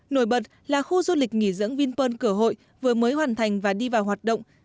nổi bật là khu du lịch nghỉ dưỡng vinpearl cửa hội vừa mới hoàn thành và đi vào hoạt động